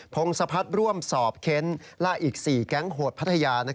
พงศพัฒน์ร่วมสอบเค้นล่าอีก๔แก๊งโหดพัทยา